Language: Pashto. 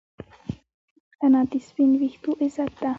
انا د سپین ویښتو عزت ده